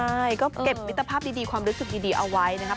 ใช่ก็เก็บมิตรภาพดีความรู้สึกดีเอาไว้นะครับ